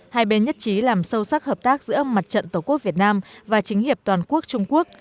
hai bên nhất trí làm sâu sắc hợp tác giữa mặt trận tổ quốc việt nam và chính hiệp toàn quốc trung quốc